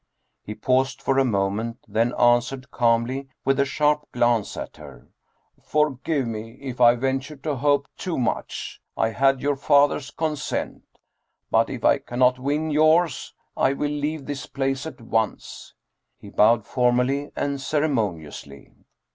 He paused for a moment, then answered calmly, with a sharp glance at her :" Forgive me, if I ventured to hope too much. I had your father's consent. But if I cannot win yours, I will leave this place at once." He bowed for mally and ceremoniously.